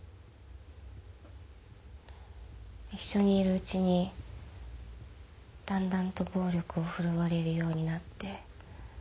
一緒にいるうちにだんだんと暴力を振るわれるようになって。